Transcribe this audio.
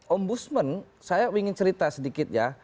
om busman saya ingin cerita sedikit ya